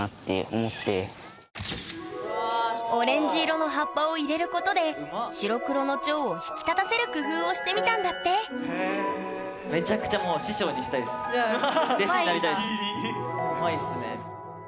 オレンジ色の葉っぱを入れることで白黒のチョウを引き立たせる工夫をしてみたんだってめちゃくちゃもううまいっすね。